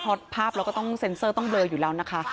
เพราะภาพเราก็ต้องเซ็นเซอร์ต้องเลออยู่แล้วนะคะ